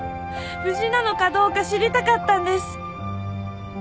無事なのかどうか知りたかったんです。